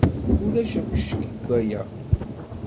Ulac akk ccek deg waya.